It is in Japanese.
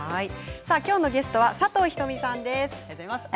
きょうのゲストは佐藤仁美さんです。